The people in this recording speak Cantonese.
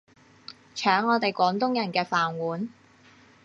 搶我哋廣東人嘅飯碗